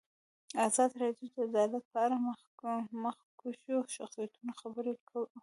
ازادي راډیو د عدالت په اړه د مخکښو شخصیتونو خبرې خپرې کړي.